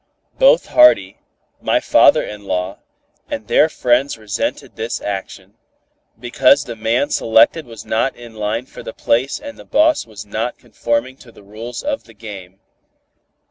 Both Hardy, my father in law, and their friends resented this action, because the man selected was not in line for the place and the boss was not conforming to the rules of the game.